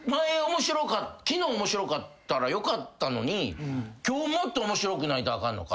昨日面白かったらよかったのに今日もっと面白くないとあかんのか？